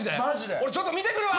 俺ちょっと見てくるわ！